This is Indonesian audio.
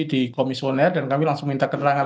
di komisioner dan kami langsung minta keterangan